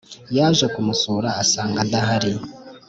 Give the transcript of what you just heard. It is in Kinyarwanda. yaje kumusura asanga adahari